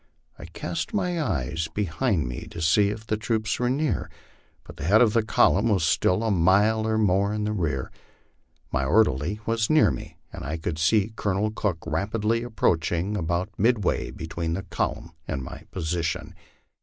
I cast my eyes behind me to see if the troops were near, but the head of the column was still a mile or more in rear. My orderly was near me, and I could see Colonel Cook rapidly ap proaching about midway between the column and my position.